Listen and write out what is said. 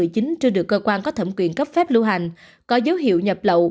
chưa được cơ quan có thẩm quyền cấp phép lưu hành có dấu hiệu nhập lậu